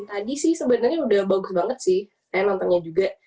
tadi sih sebenarnya udah bagus banget sih saya nontonnya juga